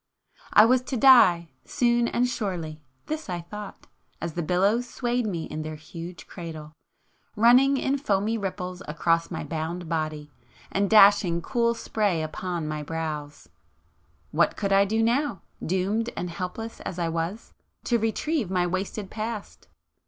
I was to die, soon and surely;—this I thought, as the billows swayed me in their huge cradle, running in foamy ripples across my bound body, and dashing cool spray upon my brows,—what could I do now, doomed and helpless as I was, to retrieve my wasted past?